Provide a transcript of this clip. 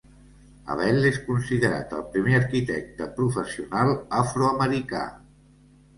Abele és considerat el primer arquitecte professional afroamericà.